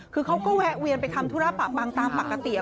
คือเขาก็แวะเวียนไปทำธุระปะปังตามปกติ